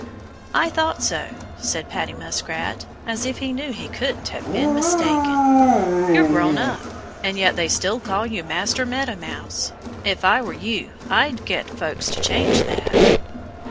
"I thought so," said Paddy Muskrat, as if he knew he couldn't have been mistaken. "You're grown up. And yet they still call you 'Master' Meadow Mouse. If I were you I'd get folks to change that."